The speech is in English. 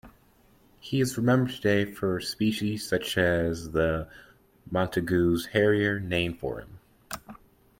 He is remembered today for species such as the Montagu's harrier, named for him.